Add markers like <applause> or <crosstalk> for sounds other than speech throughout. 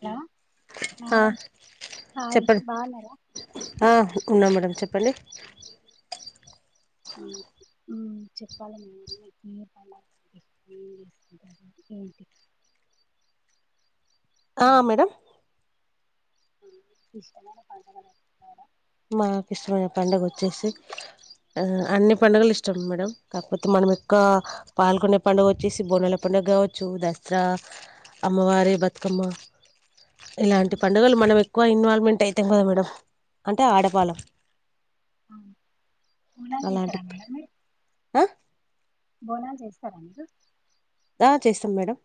Hello ఆ madam hi చెప్పండి బాన్నారా ఆ ఉన్నా మేడం చెప్పండి ఆ హు చెప్పాల మేడమ్ మీరే చెప్పాలా ఏం చేస్తుంటారు ఏంటి ఆ మేడంమ్ ఆ ఇష్టమైన పండగ చెప్తారా మాకు ఇష్టమైన పండుగ వచ్చేసి అన్ని పండుగలు ఇష్టం మేడం కాకపోతే మనం ఎక్కువ పాల్గొనే పండుగ వచ్చేసి బోనాల పండుగ కావచ్చు దసరా అమ్మవారి బతుకమ్మ ఇలాంటి పండుగలు మనం ఎక్ క్కువ ఇన్వాల్వమెంట్ అయితం కదా మేడమ్ అంటే ఆడవాళ్ళం ఆ బోనాలు చేసరా అలాంటి మేడం మీర్ ఆ బోనాలు చేస్తారా మీరు ఆ చేస్తాం మేడం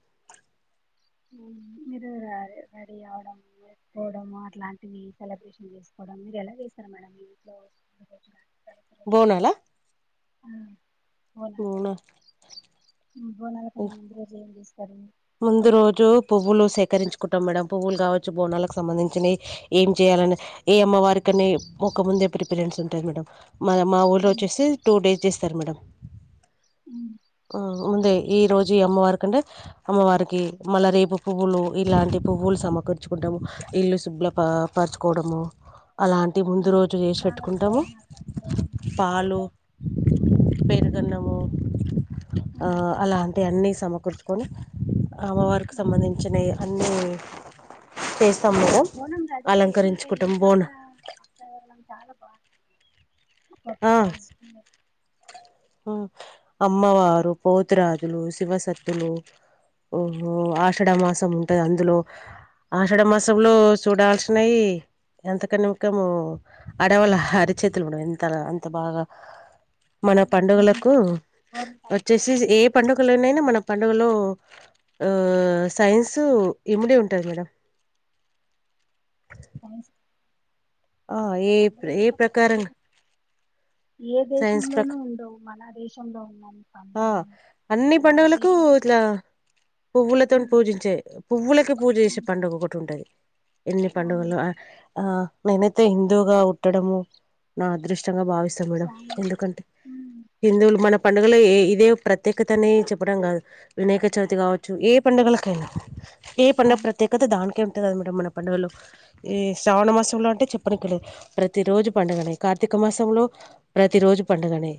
మీరు ర రెడీ అవడంేవడము అట్లాంటివి సెలబ్రేషన్ చేసుకోవడం మీరు ఎలా చేస్తారు మేడం మీ ఇంట్లోు <unintelligible> బోనాల అ హూ నా హుమ్ బోనాలకన్న ముందు రోజు ఏం చేస్ ముందు రోజు పువ్వులు సేకరించ్ కుటం మేడమ్ పువ్వులు కావచ్చు బోనాలకు సంబంధించినవి ఏం చేయాలని ఏ అమ్మవారిికనే ఒక ముందే ప్రిపరేన్స్ ఉంటది మేడం మన మా ఊర్లో ఉమ్, వచ్చేసి టూ డేస్ చేస్ తర్ మేడం ఉమ్. ఆ ముందే ఈ రోజు ఈ అమ్మవారి కంటే అమ్మవారికి మళ్ళా రేపు పువ్వులు ఇలాంటి పువ్వులు సమకర్చుకుంటాము ఇల్లు శుబ్బుల పరచుకోవడము అలాంటి ముందు ఉమ్, రోజు చేసి మామిడి పెెట్టుకుంటము తోరణాలు కట్టుకోవడం పాలు పేర్గన్నము ఆ ఉమ్ అలాంటి అన్ని స్ సమకూర్చుకొని అమ్మవారికి ఉమ్. సంబంధించినవి అన్నీ టేస్ బోనం ల అదే చేసుకుంటే ఇంట్లో బోన కూడా వాతావరణం చాలా బాగుంటుంది ఒక పాజిటివ్ వే ఆ అమ్మవారు పోతురాజులు శివసత్తులు ఓహో ఆషాఢమాసం ఉంటది అందులో ఆషాఢమాసంలో చూడాల్సినయి ఎంతకని ఇంకము ఆడవాళ్ళ అరిచేతులు కూడా తర అంత బాగా మన పండుగలకు గోరింటాకు గోరింటాకు వచ్చేసి ఏ అంటారు. పండుగలనైనా మన పండుగలో ఆ సైన్స్ ఇమిడే ఉంటుంది మేడం అ ఆ ఏప్ ఏ ప్రత్యేక ప్రకారంగా ఏ సైన్స్ ప్రకా దేశంలోనూ ఉండవు మన దేశంలో ఉన్నాయి ఆ అన్ని పండుగలకు ఇట్లా ఆ, పువ్వులతోన్ పూజించే పువ్వులకి పూజ ఆ, చేసే పండుగ ఒకటి ఉంటది ఎన్ని అవును పండుగల్లో ఆ ఆ నేనైతే హిందవుగా ఉట్టడము నా అదృష్టంగా భావి స్తం మేడం చాలా ఎందుకంటే ఉమ్, హిందువులు మనం లే ఇదే ప్రత్యేకతనే చెప్పడం కాదు వినాయక చవితి కావచ్చు ఏ పండుగలకైనా ఏ పండగ అవును ప్రత్యేకత దానికే ము అంతే కదా మేడం మన పండుగలు ఈ అవును. శ్రావణ మాసం లో అంటే చెప్పనికి లేదు ప్రతి రోజు పండుగనే కార్తీక మాసంలో ప్రతి రోజు పండుగనే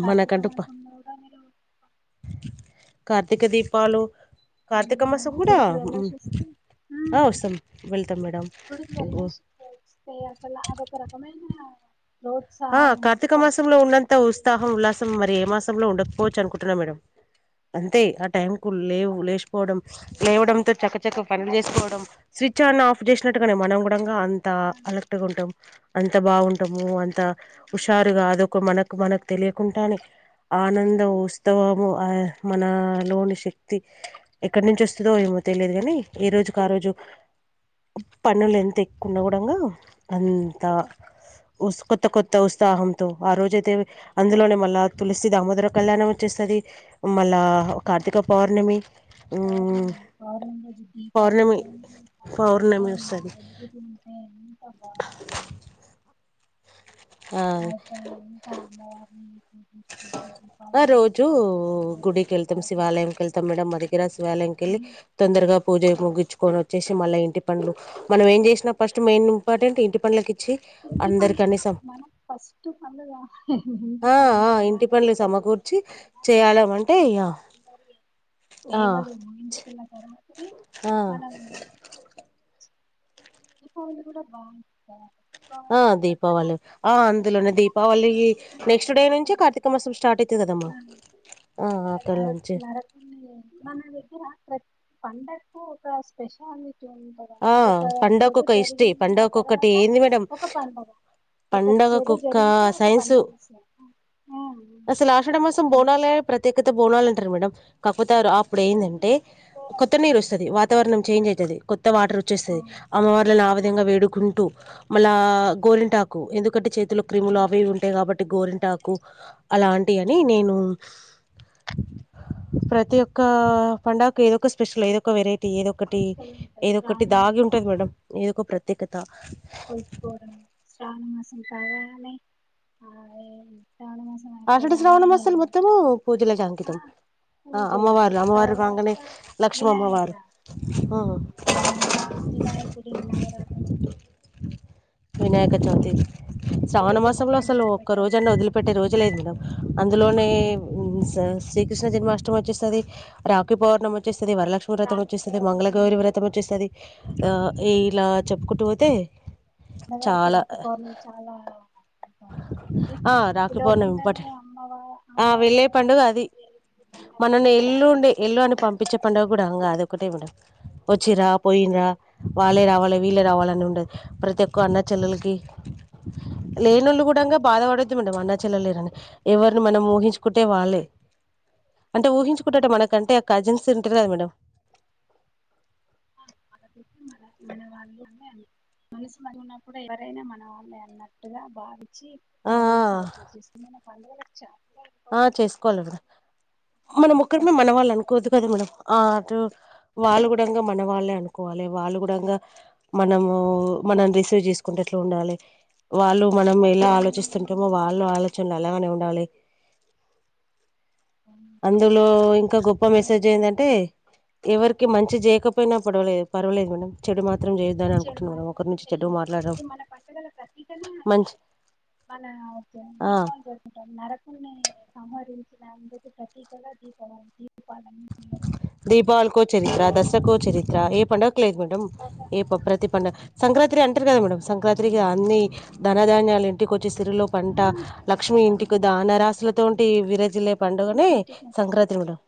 కార్తీక మనకంటూ ప మాసం కూడా నేలో కట్ అ కూడా గుడికి వవెళ్ళేసొస్తే ఆ మ్మ్ వస్తాం వెళ్తాం మేడం గుడికి వెళ్లేసి పోవచ్ అసలు అదొక రకమైన ఆ ప్రోత్సాహం కార్తీక మాసంలో ఉత్సాహం ఉన్నంత ఉత్సాహం ఉల్లాసం మరి ఏ మాసం లో ఉండకపోవచ్చు అనుకుంటున్నా మేడం అంతే ఆ టైం కు లేవు లేచపోవడం లేవడంతో చక్క చక్క పనులు చేసుకోవడం స్విచ్ చాల ఆఫ్ చేసినట్టు గానే మనం కూడా అంగా అంత అలక్ట్గా ఉంటాం అంత బాగుంటాము అంత హుషారుగా అదొక మనకు మనకు తెలియకుండానే ఆనందం ఉత్సవము ఆ మనలోని శక్తి ఎక్కడి నుంచి వస్తదో ఏమో తెలియదు కాని ఏ రోజుకి ఆ రోజు పనులు ఎంత ఎక్కువ ఉన్న కూడాంగా అంతసుక కొత్త కొత్త ఉత్సాహంతో ఆ రోజ అయితే అందులోనే మళ్ళా తులసి దామోదర కళ్యాణం వచ్చేస్తది మళ్ళా మ్మ్ కార్తీక పౌర్ణమి మ్మ్ పౌర్ణమి పౌర్ణమి రోజు పౌర్ణమి దీపాలన్నీ పౌర్ణమి <unintelligible> వస్తది వెలుగుతుంటె ఎన్ అబ ఆ అయితే అంతా అమ్మవారిని పూజించుకుంటూ ఆ దీపాలు ఎంత రోజు బయట పెట్టుకోవడం గుడికి వెళ్తాం బయట శివాలయంకిళ్తాం మేడమ్ మా దగ్గర శివాలయంకెళ్ళి తొందరగా పూజ ముగిచు కొని వచ్చేసి మళ్ళ ఇంటి పనులు మనం ఏం చేసినా ఫస్ట్ మెయిన్ ఇంపార్టెంట్ ఇంటి పనులకి ఇచ్చి ఇంటి అందరికీ పనులు అన్ని సం మనం ఫస్ట్ పనులు చెయ్యలే ఇంటి ఆ! పనులు ఆ! చెయ్య ఇంటి పనులు సమకూర్చి చెయ్యడమంటే ఇగ ఆ! సేవలు ముగించుకున్న తర్వాతనే ఆ! మన <unintelligible> దీపావళి కూడా బాగుంటుంది ఆ! కదా దీపావళి. ఆ! అందులోనే దీపావళి ఆహ్ నెక్స్ట్ డే నుంచే కార్తీక మాసం స్టార్ట్ అయితది కదమ్మా. ఆ! అక్కడి నుంచి. <unintelligible> పండక్కు ఒక స్పెషాలిటి <unintelligible> పండగకోక్క హిస్టరీ పండుగక్కటి ఏంది మేడం ఒక పండగ ఒక చెడు పడుగకోక్క జరిగితే ఒక సైన్స్ పండగ చేస్తారు ఆ అసలు ఆషాఢ మాసం కదా. బోనాలే ప్రత్యేక బోనాల మేడం కాకపోతే ఆఫ్టర్ ఇప్పుడు కానీ ఎందంటే కొత్త అంటారు. నీరు వస్తుంది వాతావరణం చేంజ్ అయితది కొత్త వాటర్ వచ్చేస్తది అవును, అమ్మవార్లను ఆ అవును. విధంగా వేడుకుంటూ మళ్ళా గోరింటాకు ఎందుకంటే చేతి ఆ క్రీములు అవి ఇవి ఉంటయి కాబట్టి గోరింటకు అలాంటి అని నేను ప్రతి ఒక్క పండగకి ఏదో ఒక స్పెషల్ ఏదో ఒక వెరైటీ టి ఏదొ ఒకటి స్పెషల్ ఉంటాయి ఒకటి శ్రావణ మాసం దాగి ఉంటది మేడం ఏదో ఒక ప్రత్యేకత <unintelligible> శ్రావణ మాసం కాగానే ఆహ్ ఆషాఢ శ్రావణం లు మొత్తము పూజలకి ఆ అంకితం ఆహ్ పూజలు అమ్మవార్లు అమ్మవారు కంగనే తర్వాత లక్ష్మి వినాయక అమ్మవారు హా వినాయకుడి వినాయకుడి నవరాత్రులు వినాయకచవితి మళ్ళీ శ్రావణ కొన్ని మాసంలో అసలు నేను ఒక్క పెట్టడం రోజు అన్న వదిలిపెట్టే రోజు లేదు మేడం అందులోనే స శ్రీకృష్ణ జన్మాష్టమి వచ్చేస్థాది రాఖీ పౌర్ణం వచ్చేస్త వస్తుది వరలక్ష్మి వ్రతం రాఖీ వచ్చేస్తది మంగళ పౌర్ణమి గౌరి వ్రతం వచ్చేస్తది. ఆహ్ ఈలా చెప్పుకుంటూ పోతే అన్నగారికి రాఖీ పౌర్ణమి చాలా ఇంపార్టెంట్ అంటే ఆహ్ రాఖీ పౌర్ణమి పిలవకుండానే ఇంపార్టెంట్ అమ్మవ ఆహ్ వెళ్ళే అమ్మవారి పండుగ అది పండగ మనల్ని ఎల్లు ఉండే ఎల్లు అని పంపించే పండుగ కూడా హ అది ఒక్కటే మేడం వచ్చిరా పోయినరా వాళ్ళే రావాలి వీళ్ళే రావాలని ఉండదు ప్రతి ఒక్క అన్న చెల్లెలకి లేనిళ్ళు కూడా అంటే ఇంగ బాధపడొద్దు మేడం అన్న చెల్ల లేరని ఎవరిని మనం ఊహించుకుంటే వాళ్ళే అంటే ఊహించుకుంటట మనకంటే కజిన్స్ తింటారు కదా మేడం మన మన వాళ్ళ మనసు మంచిగా వుంటే కూడా ఎవరైనా మన వాళ్ళే అన్నట్టుగా భావించ చి ఆ సెలెబ్రేట్ <unintelligible> ఆహ్ చేసుకోవాలమేడం మన ఒక్కరినీ మనవాళ్ళు ఇంపార్టెంట్ అనుకోవద్దు కదా మేడం ఆహ్ అటు వాళ్ళు కూడా మన వాళ్ళే అనుకోవాలి వాళ్ళు కూడా ఇంగ మనము మనం రిసీవ్ చేసుకుంటట్లు ఉండాలి. వాళ్ళు మనం ఎలా ఆలోచిస్తుంటామో వాళ్ళు ఆలోచనలు అలాగనే ఉండాలి. అందులో ఇంకా గొప్ప మెసేజ్ ఏయిందంటే ఎవరికి మంచి చేయకపోయినా పడవలేదు పర్వాలలేదు మేడం చెడు మాత్రం చేయొద్దని చెడు అనుకుంటున్నా మేడం మాత్ర ఒకరి నుంచి చెడు చె్య మాట్లాడడం ఇది మన పడుగలో ప్రతీకనే మంచి అది మనం ఆ దీపావళి జరుపుకుంటారు నరకున్ని కామ నా ప్రతిక <unintelligible> దీపావల్కో చరిత్ర దసారా కో చరిత్ర ఏ పండగ లేదు మేడం ఏ ప్రతి పండుగ సంక్రాంతి అంటారు కదా మేడం సంక్రాంతి తిరిగా అన్ని ధనధాన్యాలు ఇంటికి వచ్చి సిరిలు పంట కొత్త లక్ష్మి ఇంటికి పండుగ ధనరాశలతోంటి వీరజిల్లే పండుగనే సంక్రాంతి మేడం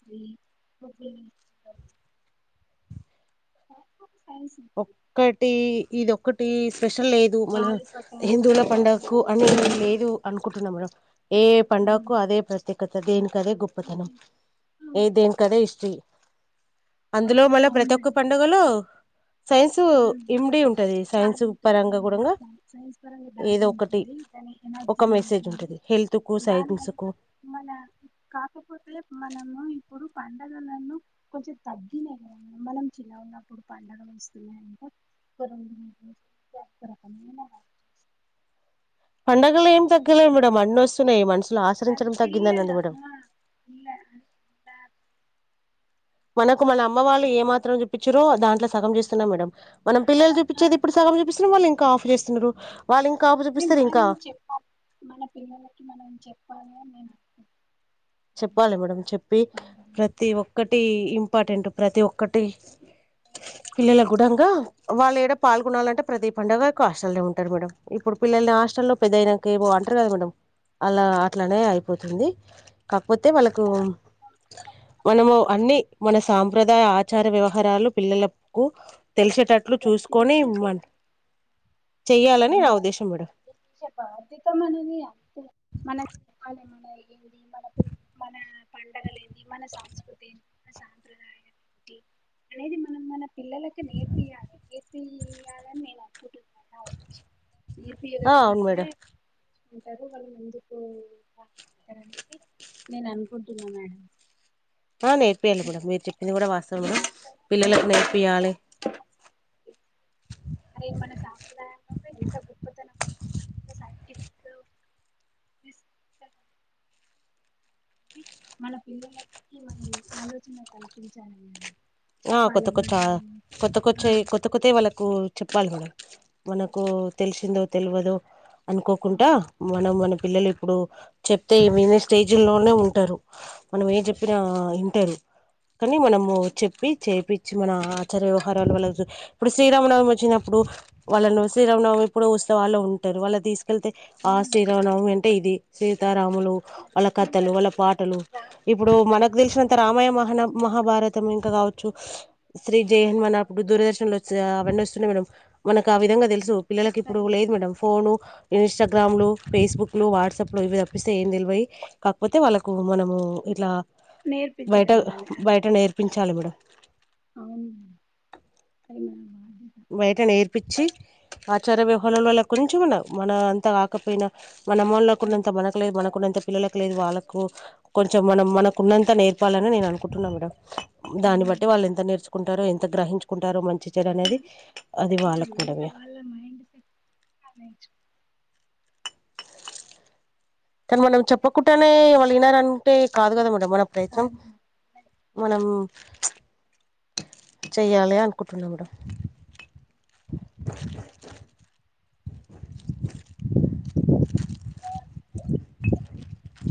<inaudible> పాపుమ్స్ ఒక్కోటి ఇదిఒక్కటిస్ స్పెషల్ లేదు మన గాలిపటాలు హిందువుల ఇవి పండగకు అని ఎమ్ లేదు అనుకుంటున్నా మేడం ఏ ఆ, పండగకు అదే ప్రత్యేక కొత్త గేమ్ అదే గొప్పతనం ఏ అవును దేని కదే హిస్టీరీ ఆ, అందులో మళ్ళా ప్రతి ఒక్క పండుగలో సైన్స్ ఉ ఇమిడి ఉంటది బాగు సైన్స్ పరంగా కూడాంగా ఉంటుంది సైన్స్ పరంగా బాగు ఏదో ఒకటి ఉంటుంది దాని ఎనర్జీ ఒక మెసేజ్ ఉంటుంది ఉంటది హెల్త్ కు సైన్స్ దానివల్ల కు మన కాకపోతే మనము ఇప్పుడు పండుగలను కొంచెం తగ్గినాయి మేడం మనం చిన్నాగ ఉన్నప్పుడు పండుగలు వస్తే <unintelligible> పండగలు ఏం తగ్గలే మేడం అన్న వస్త మ <unintelligible> కాని పిల్లము పిల్ల పిల్ల- మనకు మన అమ్మ వాళ్ళు ఏ మాత్రం చూపించారో దాంట్లో సగం చేస్తున్నాం మేడం మన పిల్లలు మనం చూపించేది ఇప్పుడు సగం చూపిస్తున్నాం వాళ్ళ కాప్ చేస్తున్నారు వాళ్ళు ఇంకా ఆఫ్ చూపిస్తారు మనం ఇంకా ఏం చెప్పాలి మన పిల్లలకి మనం చెప్పాలి నేను అనుకుంటున్నాను చెప్పాలి మేడంమ్ చెప్పి పండుగ ప్రతి ఒక్కటి ఇవి ఇంపార్టెంట్ ప్రతి ఒక్కటి పిల్లల గుడంగా వాళ్ళు ఏడ పాల్గొనాలంటే ప్రతి పండుగకు హాస్టల్ లో ఉంటారు మేడం ఇప్పుడు పిల్లల్ని హాస్టల్లో లో పెద్దయినాక ఏమో అంటారు కదా మేడ అలా అట్లానే అయిపోతుంది కాకపోతే వాళ్ళకు మనము అన్ని మన సాంప్రదాయ ఆచార వ్యవహారాలు పిల్లలకు తెలిసేటట్లు ప్రతిది చూసుకొని చెయ్యాలని నా ఉద్దేశం మేడం బాధ్యత మనది <unintelligible> అంత మన చెాల మన ఏంది మన పండుగలు ఏంది మన సంస్కృతి మన సాంప్రదాయాలు ఏంటి అనేది మనం మన పిల్లలకి నేర్ ఏప్పదు <unintelligible> ఏప్పద కూ నిను అనుకుంటున్నా దీపం ఆ అవును వెలిగినప్పుడే మేడం అంటారు వాళ్ళు ఎందుకు అనుకుంటానంటే నేను అనుకుంటున్నా మేడం ఆ నేర్పేయాలి కూడా మీరు చెప్పింది కూడా వాస్త వామే పిల్లకి నేర్పియ్యలే అరే మన సాంప్రదాయంలో ఎంత గొప్పతనం <inaudible> మన పిల్లలకి మనం ఆలోచన కల్పించాలండి ఆ కొత్త చెప్పాలి కొచ్చా మనం కొత్త ఆ కొచ్చే కొత్త కొత్త వాళ్ళలకు చె పాల్గొనారు మనకు తెలిసింది వాద్ తెలువదో అనుకోకుండాా మనం మన పిల్లలు ఇప్పుడు చెప్తే వినే స్టేజీ లోనే ఉంటారు మనం ఏ చెప్పినా వింటారు కానీ మనము చెప్ చేయిచ్చి మన ఆచార్య వ్యవహారాలు వాళ్ళ ఇప్పుడు శ్రీరామనవమి వచ్చినప్పుడు వాళ్ళను శ్రీరామనవమి ఇప్పుడు వస్తే వాళ్ళు ఉంటారు వాళ్ళు తీ క వెళ్తే ఆ శీరామనవమి అంటే ఇది సీత రాములు వాళ్ళ రాముడు కథలు వాళ్ళ అంటే పాటలు రాముడు ఇప్పుడు ఎలా మనకు తెలిసిన రామయ్య మహన మహాభారతం ఇంకా కావచ్చు శ్రీ జయహనుమన్ మనప్పుడు దూరదర్శన్ లో వ అవన్నీ వస్తున్నాయి మేడం మనకు ఆ విధంగా తెలు సు పిల్లలకి ఇప్పుడు కృష్ణలి లేదు మేడం ఫోను ఇన్స్టాగ్రామ్లు ఫేస్బుక్లు వాట్సాప్లు ఇవి తప్పిస్తే ఏం తెలివవి కాకపోతే వాళ్ళకు మనము ఇట్లా బయట నేర్పించగలగాలి అదే బయట నేర్పిం చాల మేడం అవును మేడం అది మన బాధ్యత బయటను నేర్పించి ఆచార వ్యవహారంలోలక్కరించి మన మన అంతా కాకపోయినా మనంమొలకునంత కొంచెం మనకలేదు మనకునంత పిల్లలకు లేదు వాళ్ళలకు కొంచెం మనం మనకు ఉన్నంత నేర్పాలని నేను అనుకుంటున్నాను మేడం దాన్ని అవును బట్టి వాళ్ళు ఎంత నేర్చుకుంటారో ఏమో గ్రహించుకుంటారు మంచి జర మేడం అనేది ఉమ్, ఉమ్, అది వాళ్ళకు అంత మేడం ఇగ వాళ్ళ మైండ్ సెట్ కానీ మనం చెప్పకుంటడానే వాళ్ళు వినారంటే కాదు కద మన ప్రయత్నం కాదు కాదు. మనం చెయ్యాలి అనుకుంటున్నాం మేడం <inaudible>